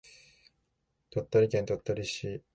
鳥取県鳥取市